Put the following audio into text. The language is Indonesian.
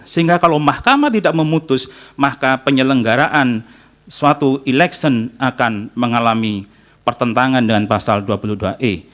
sehingga kalau mahkamah tidak memutus maka penyelenggaraan suatu election akan mengalami pertentangan dengan pasal dua puluh dua e